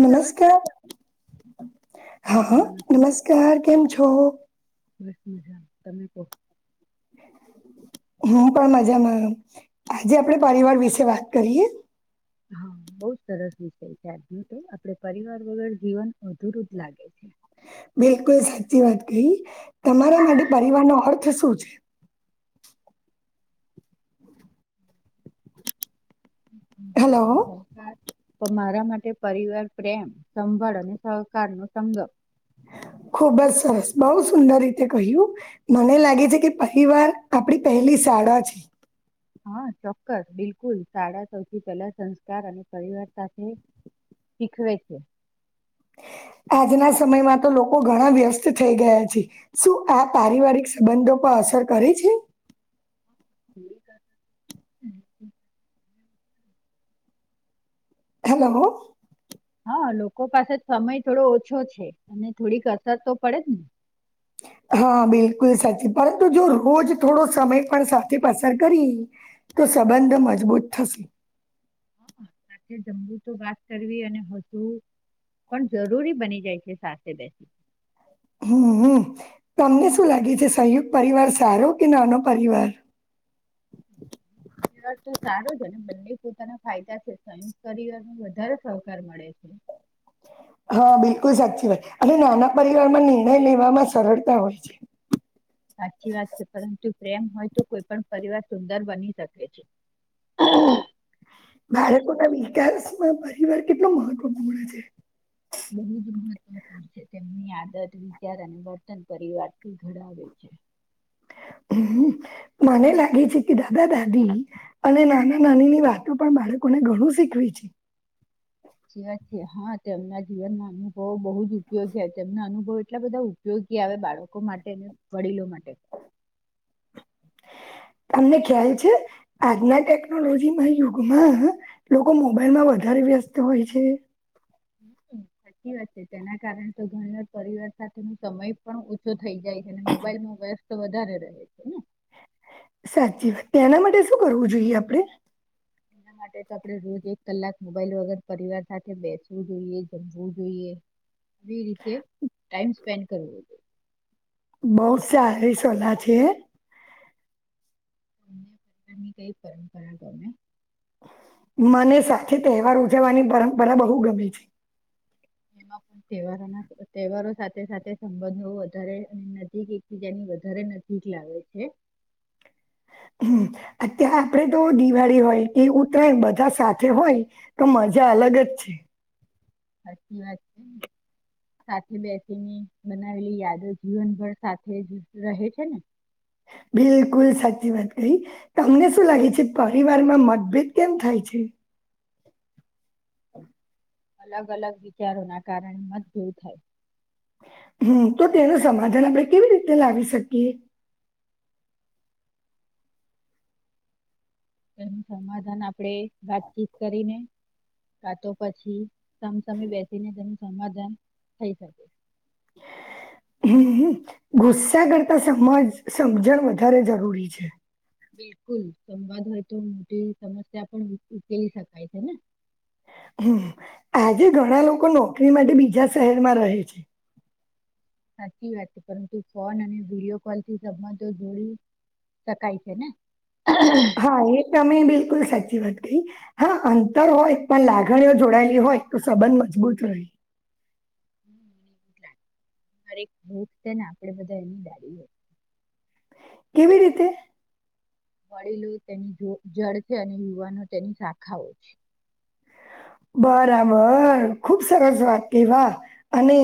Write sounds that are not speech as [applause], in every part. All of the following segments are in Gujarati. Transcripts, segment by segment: નમસ્કાર હા હ નમસ્કાર કેમ છ છો ષ્ તમેપ હું પણ મજામાં આજે આપડે પરિવાર વિશે વાત કરીએ હા બઉુ સરસ વિષય છે આજનું તો આપે પરિવાર વગર જીવન અધુરું જ લાગે છે બિલકુલ સાચી વાત કહી તમારા માટે પરિવારનોો અર્થ શું છે [inaudible] પણ મારા માટે પરિવાર પ્રેમ સંભળ અને સહકાર નો સંગમ હ ખુબ જ સરસ બહુ સુંદર રીતે કહ્યું મને લાગે છે કે પરિવાર આપડી પહેલી ચડા છે હા ચોક્કસ બિલકુલ સાડા સૌથી પહેલા સંસ્કાર અને પરિવાર સાથે શીખવે છે [inaudible] આજના સમયમાં તો લોકો ઘણા વ્યસ્ત થઈ ગયા છે શું આ પારિવારિક સંબંધો પર અસર કરે છે હમ હેલો હા લોકો પાસે સમય થોડો ઓછો છે અને થોડીક અસર તો પડે જ ને [inaudible] હા બિલકુલ સાચી પરંતુ જો રોજ થોડો સમય પણ સાથે પસાર કરી તો સંબંધ મજબૂત થશે. [inaudible] સાથે જમવું તો વાત કરવી અને હજુ પણ જરૂરી બની જાય છે સાથે બેસી. હમ્મ હમ્મ, તમને શું લાગે છે સંયુક્ત પરિવાર સારો કે નાનો પરિવાર? [inaudible] તો સારો જ અને બને પોતાના ફાયદા છે, સંયક્ત કરયર વધારે સહકાર મળે છે. [inaudible] હા બિલકુલ સાચી વાત અને નાના પરિવારમાં નિર્ણય લેવામાં સરળતા હોય છે. [inaudible] સાચી વાત છે. પરંતુ પ્રેમ હોય તો કોઈ પણ પરિવાર સુંદર બની શકે છે. બાળકોના વિકાસમાં પરિવાર કેટલો મહત્વપૂર્ણ છે? બહુ જ મહત્વપૂર્ણ છે. તેમની આદત, વિચાર અને વર્તન પરિવારથી ઘડાવે છે. [inaudible] હમ્મ, મને લાગે છે કે દાદા દાદી અને નાના નાની ની વાતો પણ બાળકો મને ઘણું શીખવી છે. તેમના જીવન ના અનુભવો બહુ જ ઉપયોગી તેમના અનુભવ એટલા બધા ઉપયોગી આવે બાળકો માટે વડીલો માટે [inaudible] તમને ખ્યાલ છે આજના ટેકનોલોજી ના યુગમાં લોકો મોબાઈલમાં વધા રે વ્યસ્ત હોય છે. સકી વાત છે તેના કારણે તો ઘણી વાર પરિવાર સાથેનો સમય પણ ઓછો થઈ જાય છે અને મોબાઈલ ન વ્યસ્ત વધારે રહે છે. [inaudible] સાચી વાત એના માટે શું કરવું જોઈએ આપડે? એના માટે તો આપણે રોજ એક કલાક મોબાઈલ વગર પરિવાર સાથે બેસવું જોઈએ, જમવું જોઈએ. એ રીતે ટાઈમ સ્પેન્ડ કરવો જોઈએ. બહુ સારી સલા છે. તને કઈ પરંપરા ગમે? મને સાથે તહેવાર ઉજવવાની પરંપરા બહુ ગમે છે. એમાં પણ તહેવારો તહેવારો સાથે સાથે સંબંધો વધારે નજીક એકબીજાની વધારે નજીક લાવે છે. [inaudible] હમ્મ, અત્યારે આપડે તો દિવાળી હોય એ ઉતરાયણ બધા સાથે હોય તો મજા અલગ જ છે. સાચી વાત છે. સાથે બેસીને બનાવેલી યાદો જીવનભર સાથે જ રહે છે ને? બિલકુલ સાચી વાત કહી. તમને શું લાગે છે પરિવાર માં મતભેદ કેમ થાય? છે. [inaudible] અલગ અલગ વિચારોના કારણે મતભેર થાય. હમ્મ, તો તેનું સમાધાન આપણે કેવી રીતે લાવી શકીએ? એનું સમાધાન આપણે વાતચીત કરીને કા તો પછી સામસામી બેસીને તેનું સમાધાન થઈ શકે. હમ્મ, ગુસ્સા કરતા સમાજ સમજણ વધારે જરૂરી છે. બિલકુલ, સંવાદ હોય તો મોટી સમસ્યા પણ ઉકેલી શકાય છે ને. હમ્મ, આજે ઘણા લોકો નોકરી માટે બીજા શહેરમાં રહે છે. સાચી વાત પરંતુ ફોન અને વિડીયો કોલ થી સંબંધો જોડી શકાય છે ને. હા, એ તમે બિલકુલ સાચ થી વાત થઈ. હા, અંતર હોય પણ લાગણીઓ જોડાયેલી હોય તો સંબંધ મજબૂત રહે. એરેક ભૂને આપણેે બધા એની ડાડી હોય. કેવી રીતે? વડીલું તેની જો જળ છે અને યુવાનો તેની શાખા હોય છે. બરાબર ખુબ સરસ વાત કેવા અને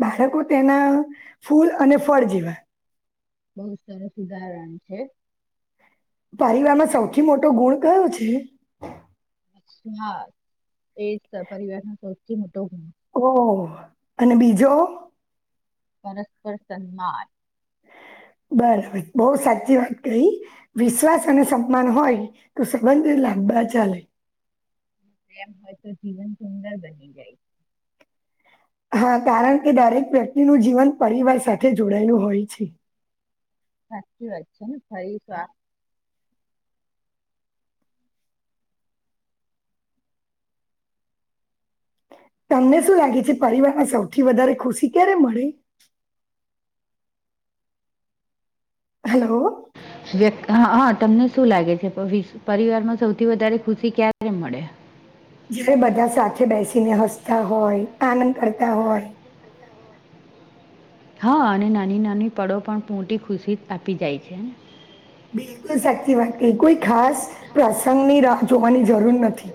બાળકો તેના ના ફૂલ અને ફળ જેવા. બહુ સરસ ઉદાહરણ છે. પરિવારમાં સૌથી મોટો ગુણ કયો છે? હા, એજ તો પરિવાર નો સૌથી મોટો ગુણ ઓહ અને બીજો? પરસ્પર સન્માન. બરાબર બહુ સાચી વાત કહી વિશ્વાસ અને સમાન હોય તો સંબંધ લાં બા ચાલે. પ્રેમ હોય તો જીવન સુંદર બની જાય. હા, કારણ કે દરેક વ્યક્તિનું જીવન પરિવાર સાથે જોડાયેલું હોય છે. સાચી વાત છે ને ફરી [unintelligible] તમને શું લાગે છે, પરિવારમાં સૌથી વધારે ખુશી ક્યારે મળે? હલો હા હા તમને શું લાગે છે, ભવિષ પરિવાર માં સૌથી વધારે ખુશી ક્યારે મળે? જયારે બધા સાથે બેસીને હસતા હોય, આનંદ કરતા હોય. હા અને નાની નાની પળો પણ મોટી ખુશી આપી જાય છે. બિલકુલ સાચી વાત કહી, કોઈ ખાસ પ્રસંગની રાહ જોવાની જરૂર નથી.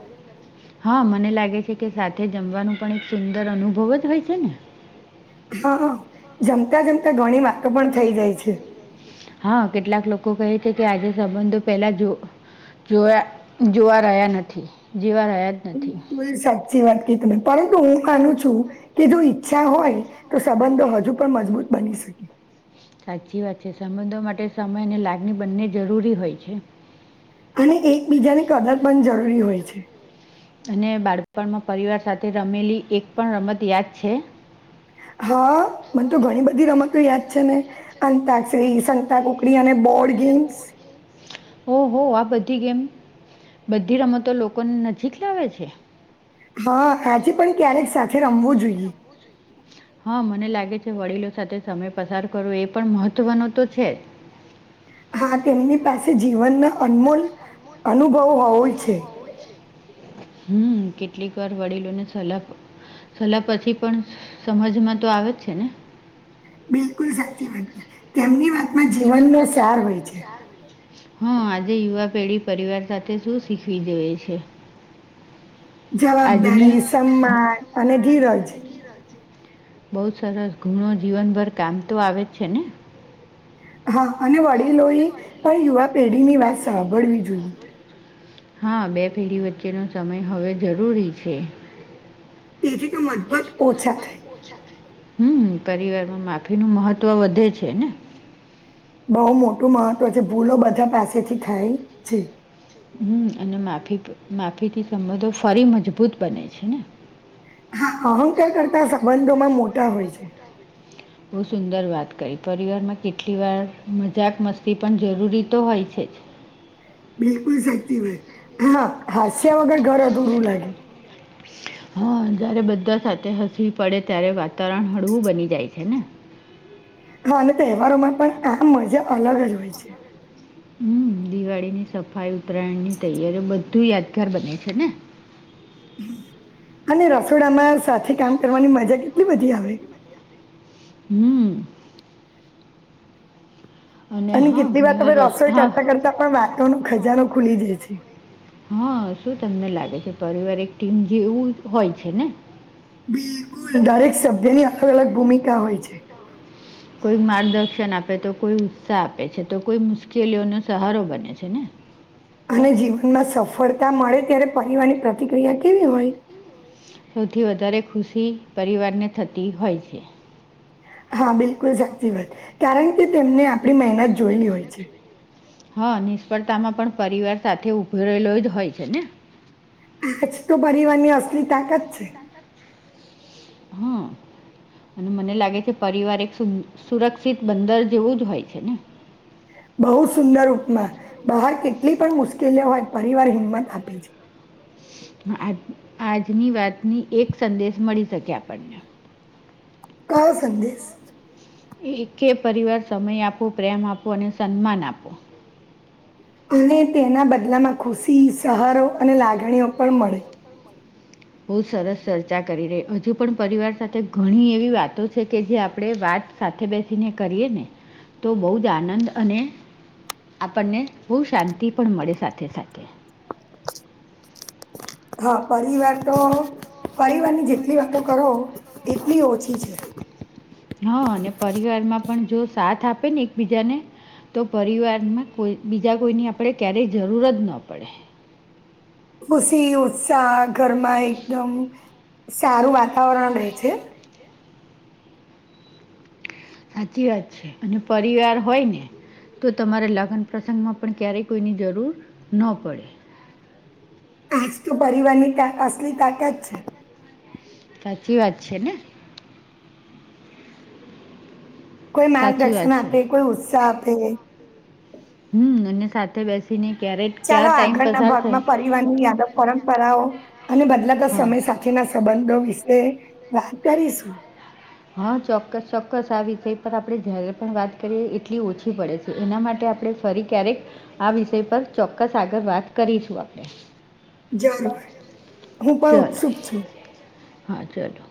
હા, મને લાગે છે કે સાથે જમવાનું પણ એક સુંદર અનુભવ જ હોય છે ને. હા, જમતા જમતા ઘણી વાતો પણ થઈ જાય છે. હા, કેટલાક લોકો કહે છે કે આજે સંબંધો પેલા જો જોયા જોવા રહ્યા નથી, જેવા રહ્યા જ નથી. સાચી વાત કહી તમે, પરંતુ હું માનું છું કે જો ઈચ્છા હોય તો સંબંધો હજુ પણ મજબૂત બની શકે. સાચી વાત છે, સંબંધો માટે સમય અને લાગણી બંને જરૂરી હોય છે. અને એકબીજાની કદર પણ જરૂરી હોય છે. તને બાળપણમાં પરિવાર સાથે રમેલી એક પણ રમત યાદ છે? હા, મને તો ઘણી બધી રમત તો યાદ છે ને અંતાક્ષરી, સંતાકુકડી અને બોર્ડ ગેમ્સ. ઓહો, આ બધી ગેમ બધી રમતો લોકોને નજીક લાવે છે. હા, આજે પણ ક્યારેક સાથે રમવું જોઈએ. મને લાગે છે વડીલો સાથે સમય પસાર કરવો એ પણ મહત્વનો તો છે જ. હા, તેમની પાસે જીવનના અનમોલ અનુભવ હોવો છે. હમ, કેટલીક વાર વડીલોને સલાહ સલાહ પછી પણ, સમજમાં તો આવે જ છે ને. બિલકુલ સા માં જીવનનો સાર હોય છે. હા, આજે યુવા પેઢી પરિવાર સાથે શું શીખવી જોએ છે? જવાબદારી, સમમાન અને ધીરજ. બહુ સરસ ગુણો જીવનભર કામ તો આવે જ છે ને. હા અને વડીલો એ પણ યુવા પેઢીની વાત સાંભળવી જોઈએ. હા બે પેઢી વચ્ચેનો સમય હવે જરૂરી છે. તેથી તો મતભત ઓછા થાય. ઓછા થાય, હમ પરિવારમાં માફી નું મહત્વ વધે છે ને. બહુ મોટું મહત્વ છે, ભૂલો બધા પાસેથી થાય છે. હું અને માફી માફીથી સંબંધો ફરી મજબૂત બને છે ને? હા અહંકાર કરતા સંબંધોમાં મોટા હોય છે. બહુ સુંદર વાત કરી પરિવારમાં કેટલી વાર મજાક મસ્તી પણ જરૂરી તો હોય છે જ. હ બિલકુલ સાચી વાત હા હાસ્ય વગર ઘર અધૂરું લાગે. હા જયારે બધા સાથે હસવી પડે ત્યારે વાતાવરણ હળવું બની જાય છે ને. હા અને તહેવારોમાં પણ આમ મજા અલગ જ હોય છે. હમ્મ, દિવાળીની સફાઈ, ઉતરાયણની તૈયારીઓ બધુ યાદગાર બને છે ને! હમ્મ. અને રસોડામાં સાથે કામ કરવાની મજા કેટલી બધી આવે. હમ્મ. અને કેટલી વાર તમે રસોઈ કરતાં કરતાં પણ વાતોનો ખજાનો ખુલી જાય છે. હા શું તમને લાગે છે પરિવારિક ટીમ જેવું હોય છે ને? બિલકુલ દરેક સભ્યની અલગ અલગ ભૂમિકા હોય છે. કોઈ માર્ગદર્શન આપે તો કોઈ ઉત્સાહ આપે છે તો કોઈ મુશ્કેલીઓનો સહારો બને છે ને. અને જીવનમાં સફળતા મળે ત્યારે પરિવારની પ્રતિક્રિયા કેવી હોય? સૌથી વધારે ખુશી પરિવારને થતી હોય છે. હા, બિલકુલ સાચી વાત કારણ કે તેમને આપણી મહેનત જોયેલી હોય છે. હ નિષ્ફળતામાં પણ પરિવાર સાથે ઊભે રહેલો જ હોય છે ને. આજ તો પરિવારની અસલી તાકાત છે. [inaudible] અને મને લાગે છે પરિવાર એક સુ સુરક્ષિત બંદર જેવું જ હોય છે ને. [inaudible] બહુ સુંદર ઉપમા, બહાર કેટલી પણ મુશ્કેલીઓ હોય પરિવાર હિંમત આપે છે. આ આજની વાતની એક સંદેશ મળી શકે આપણને કયો સંદેશ? એકે પરિવાર સમય આપો, પ્રેમ આપો અને સન્માન આપો. અને તેના બદલામાં ખુશી, સહારો અને લાગણીઓ પણ મળે. બહ સરસ ચર્ચા કરી રહી હજુ પણ પરિવાર સાથે ઘણી એવી વાતો છે કે જે આપણે વાત સાથે બેસીને કરીએ ને તો બહુ જ આનંદ અને આપણને બહુ શાંતિ પણ મળે સાથે સાથે [inaudible] હા પરિવાર તો પરિવારની જેટલી વાતો કરો એટલી ઓછી છે. [inaudible] હા અને પરિવારમાં પણ જો સાથ આપે ને એકબીજાને તો પરિવારમાં કોઈ બીજા કોઈની આપણે ક્યારેય જરૂર જ ન પડે. ખુશી, ઉત્સાહ ઘરમાં એકદમ સારું વાતાવરણ રેય છે. સાચી વાત છે અને પરિવાર હોય ને તો તમારે લગન પ્રસંગમાં પણ ક્યારેય કોઈની જરૂર ન પડે. આજ તો પરિવારની તાક અસલી તાકાત છે. સાચી વાત છે ને? કોઈ માર્ગદર્શન આપે, કોઈ ઉત્સાહ આપે. હમ્મ, અને સાથે બેસીને ચાલો આગળના ભાગમાં પરિવારની યાદો પરંપરાઓ અને બદલાતા સમય સાથેના સંબંધો વિશે વાત કરીશું. હા ચોક્કસ ચોક્કસ આ વિષય પણ આપણે જયારે પણ વાત કરીએ એટલી ઓછી પડે છે એના માટે આપણે ફરી ક્યારેક આ વિષય પર ચોક્કસ આગળ વાત કરીશું આપણે. જરૂર હું પણ ઉત્સુક છું. હા, ચાલો.